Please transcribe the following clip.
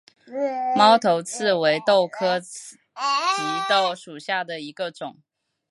猫头刺为豆科棘豆属下的一个种。